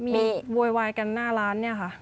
มีโวยวายกันหน้าร้านเนี่ยค่ะ